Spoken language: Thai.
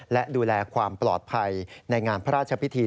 และดูแลความปลอดภัยในงานพระราชพิธี